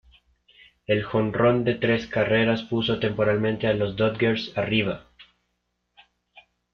El jonrón de tres carreras puso temporalmente a los Dodgers arriba.